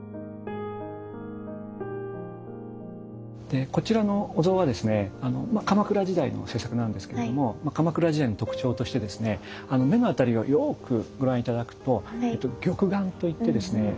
でこちらのお像はですね鎌倉時代の制作なんですけれども鎌倉時代の特徴としてですね目のあたりをよくご覧頂くと玉眼と言ってですね